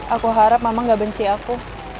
aku harap mama gak benci aku